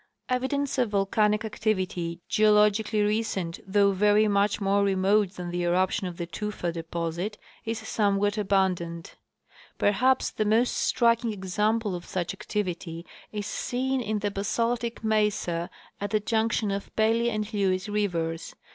Evidence of volcanic activity, geologically recent though very much more remote than the eruption of the tufa deposit, is somewhat abundant. Perhaps the most striking example of such activity is seen in the basaltic mesa at the junction of Pelly and Lewes rivers.